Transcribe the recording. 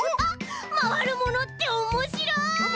まわるものっておもしろい！